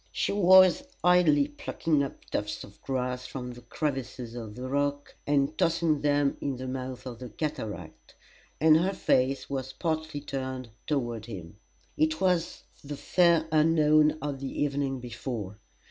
She was idly plucking up tufts of grass from the crevices of the rock, and tossing them in the mouth of the cataract, and her face was partly turned toward him. It was the fair unknown of the evening before!